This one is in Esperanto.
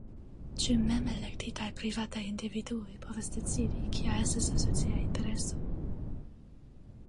Ĉu mem-elektitaj privataj individuoj povas decidi, kia estas la socia intereso?